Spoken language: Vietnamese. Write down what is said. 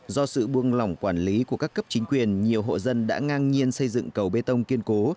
do sự buông lỏng quản lý của các cấp chính quyền nhiều hộ dân đã ngang nhiên xây dựng cầu bê tông kiên cố